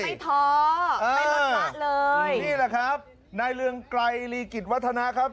ท้อไม่ลดละเลยนี่แหละครับนายเรืองไกรลีกิจวัฒนะครับ